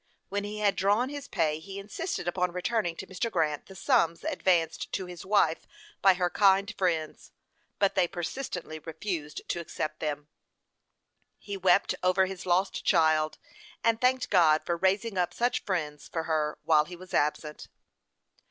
When he had drawn his pay, he insisted upon returning to Mr. Grant the sums advanced to his wife by her kind friends; but they persistently refused to accept them. He wept over his lost child, and thanked God for raising up such friends for her while he was absent.